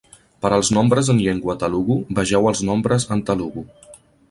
Per als nombres en llengua telugu vegeu els nombres en telugu.